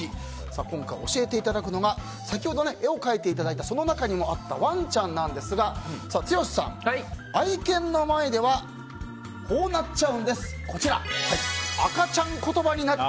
今回教えていただくのは先ほど絵を描いていただいたその中にもあったワンちゃんなんですが剛さん、愛犬の前では花王がついに突き止めた。